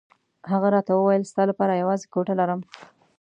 هغه راته وویل ستا لپاره یوازې کوټه لرم.